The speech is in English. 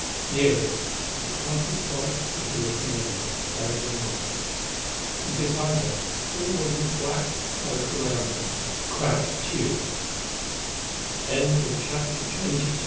Near it, the crumpled white figure of Mary lay on the rocks. And beside her, still with his black cloak around him, crouched T